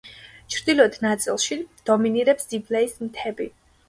ჩრდილოეთ ნაწილში დომინირებს იბლეის მთები.